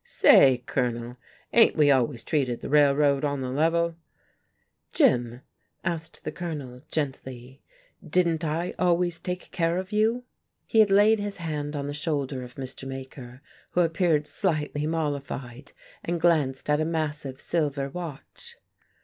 "Say, Colonel, ain't we always treated the Railroad on the level?" "Jim," asked the Colonel, gently, "didn't I always take care of you?" He had laid his hand on the shoulder of Mr. Maker, who appeared slightly mollified, and glanced at a massive silver watch.